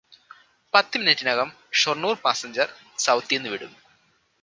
പത്ത് മിനിറ്റിനകം ഷോര്ണൂര് പാസഞ്ചര് സൌത്തീന്നു വിടും